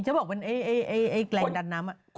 เขาบอกเป็นแรงดันน้ำ